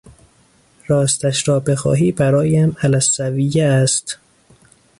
راستش را بخواهی برایم علی السویه است.